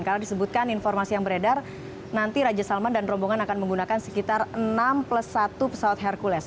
karena disebutkan informasi yang beredar nanti raja salman dan rombongan akan menggunakan sekitar enam plus satu pesawat hercules